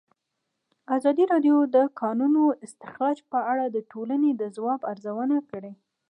ازادي راډیو د د کانونو استخراج په اړه د ټولنې د ځواب ارزونه کړې.